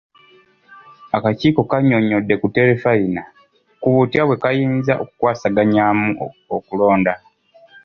Akakiiko kannyonnyodde ku terefayina ku butya bwe kayinza okuwasaganyaamu okulonda.